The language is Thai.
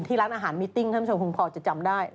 ร้านอาหารมิตติ้งท่านผู้ชมคงพอจะจำได้